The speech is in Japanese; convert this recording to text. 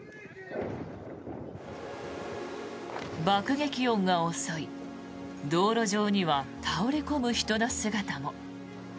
爆撃音が遅い道路上には倒れ込む人の姿も。